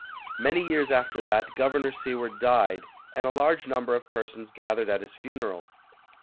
Many years after that, Governor Seward died, and a large number of persons gathered at his funeral.